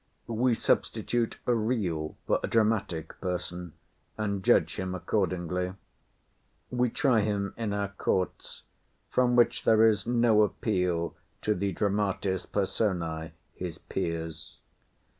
We substitute a real for a dramatic person, and judge him accordingly. We try him in our courts, from which there is no appeal to the dramatis personæ, his peers.